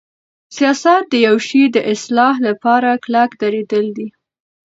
سیاست د یوشی د اصلاح لپاره کلک دریدل دی.